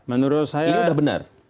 ini udah benar